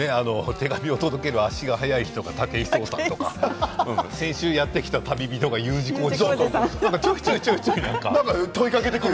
手紙を届ける足が速い人が武井壮さんとか先週やって来た旅人がＵ字工事さんとかちょいちょいね。